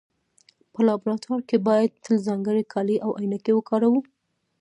په لابراتوار کې باید تل ځانګړي کالي او عینکې وکاروو.